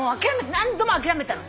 何度も諦めたの。